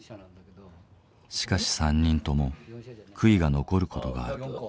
しかし３人とも悔いが残る事がある。